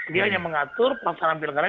dia hanya mengatur pelaksanaan pilkada